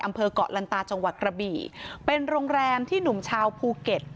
เกาะลันตาจังหวัดกระบี่เป็นโรงแรมที่หนุ่มชาวภูเก็ต